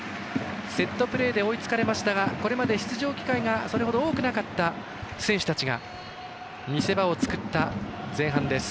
セットプレーで追いつかれましたがこれまで出場機会がそれほど多くなかった選手たちが見せ場を作った前半です。